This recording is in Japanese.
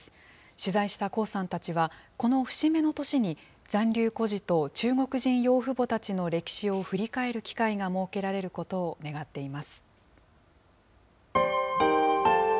取材した胡さんたちは、この節目の年に、残留孤児と中国人養父母たちの歴史を振り返る機会が設けられることを願っています。